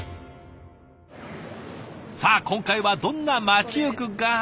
さあ今回はどんな街ゆく画伯。